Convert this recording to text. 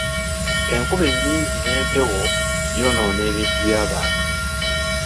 Enkuba enyingi n'empewo byonoona ebintu by'abantu.